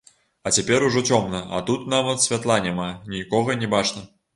А цяпер ужо цёмна, а тут нават святла няма, нікога не бачна.